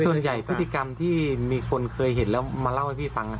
ส่วนใหญ่พฤติกรรมที่มีคนเคยเห็นแล้วมาเล่าให้พี่ฟังอ่ะ